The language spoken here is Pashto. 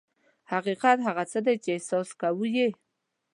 حقیقت هغه څه دي چې احساس کوو یې.